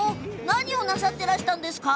何をなさっていたんですか？